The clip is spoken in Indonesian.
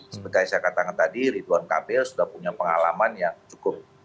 seperti yang saya katakan tadi ridwan kamil sudah punya pengalaman yang cukup